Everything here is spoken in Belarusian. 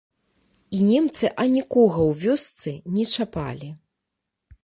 І немцы анікога ў вёсцы не чапалі.